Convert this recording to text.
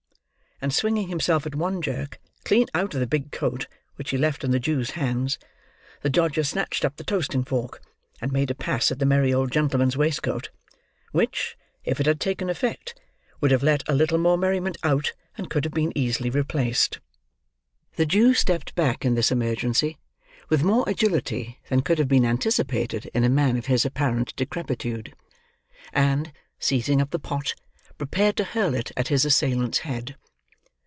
And, swinging himself, at one jerk, clean out of the big coat, which he left in the Jew's hands, the Dodger snatched up the toasting fork, and made a pass at the merry old gentleman's waistcoat; which, if it had taken effect, would have let a little more merriment out than could have been easily replaced. The Jew stepped back in this emergency, with more agility than could have been anticipated in a man of his apparent decrepitude; and, seizing up the pot, prepared to hurl it at his assailant's head.